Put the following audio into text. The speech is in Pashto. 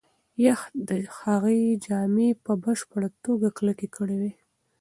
یخ د هغې جامې په بشپړه توګه کلکې کړې وې.